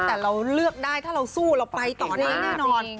แต่เราเลือกได้ถ้าเราสู้เราไปต่อได้แน่นอน